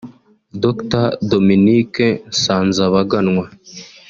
Dr Monique Nsazabaganwa